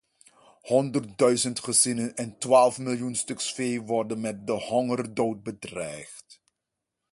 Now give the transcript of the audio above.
Honderdduizend gezinnen en twaalf miljoen stuks vee worden met de hongerdood bedreigd.